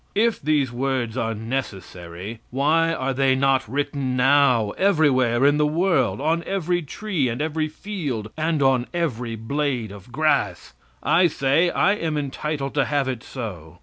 If these words are necessary why are they not written now everywhere in the world, on every tree, and every field, and on every blade of grass? I say I am entitled to have it so.